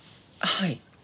はい。